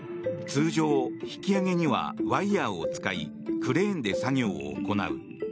通常、引き揚げにはワイヤを使いクレーンで作業を行う。